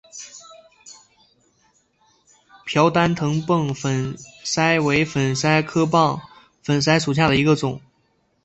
瓢箪藤棒粉虱为粉虱科棒粉虱属下的一个种。